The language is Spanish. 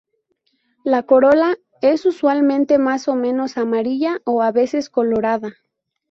La corola es usualmente más o menos amarilla, a veces colorada.